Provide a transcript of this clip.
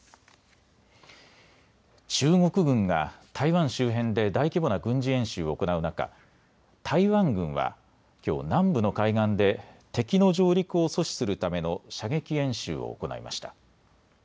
中国軍が台湾周辺で大規模な軍事演習を行う中、台湾軍は、きょう南部の海岸で敵の上陸を阻止するための射撃演習を行いました。